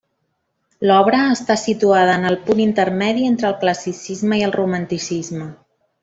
L'obra està situada en el punt intermedi entre el Classicisme i el Romanticisme.